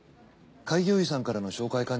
開業医さんからの紹介